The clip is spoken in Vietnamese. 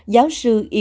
giáo sư y tế